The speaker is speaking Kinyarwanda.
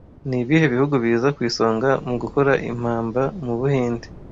Nibihe bihugu biza ku isonga mu gukora impamba mu Buhinde